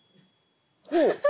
ほう！